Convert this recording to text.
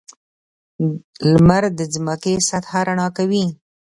• لمر د ځمکې سطحه رڼا کوي.